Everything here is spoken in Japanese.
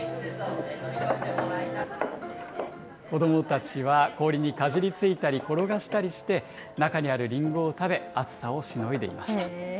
子どもたちは、氷にかじりついたり、転がしたりして、中にあるりんごを食べ、暑さをしのいでいました。